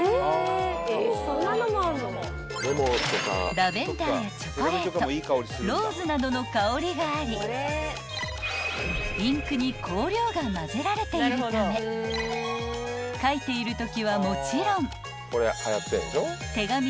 ［ラベンダーやチョコレートローズなどの香りがありインクに香料が混ぜられているため書いているときはもちろん］